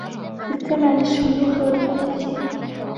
استمع للشيوخ و لحكمتهم.